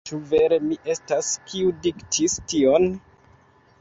Ĉu vere mi estas, kiu diktis tion?